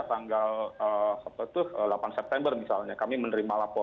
tanggal delapan september misalnya